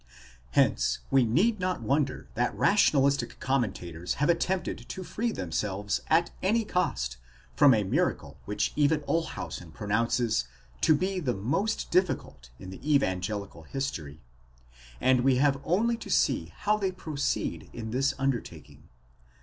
Hence we need not wonder that rationalistic commentators have attempted to free themselves at any cost from a miracle which even Olshausen pro nounces to be the most difficult in the evangelical history, and we have only to see how they proceed in this undertaking.